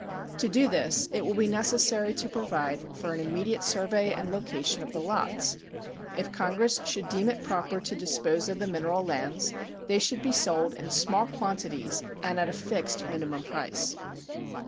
To do this it will be necessary to provide for an immediate survey and location of the lots. If Congress should deem it proper to dispose of the mineral lands, they should be sold in small quantities and at a fixed minimum price.